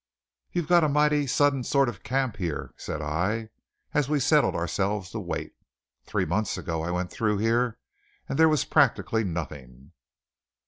"You've got a mighty sudden sort of camp here," said I, as we settled ourselves to wait. "Three months ago I went through here, and there was practically nothing."